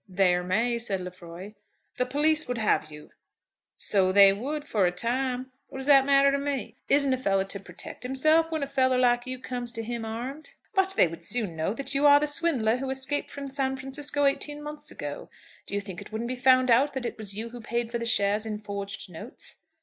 "There may," said Lefroy. "The police would have you." "So they would for a time. What does that matter to me? Isn't a fellow to protect himself when a fellow like you comes to him armed?" "But they would soon know that you are the swindler who escaped from San Francisco eighteen months ago. Do you think it wouldn't be found out that it was you who paid for the shares in forged notes?"